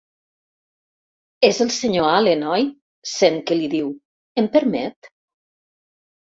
És el senyor Allen, oi? —sent que li diu— Em permet?